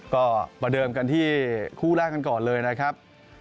ก็ประเดิมกันที่คู่แรกกันก่อนเลยนะครับ